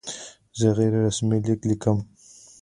زه غیر رسمي لیک لیکم.